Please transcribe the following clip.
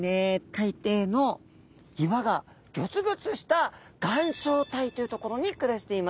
海底の岩がギョつギョつした岩礁帯という所に暮らしています。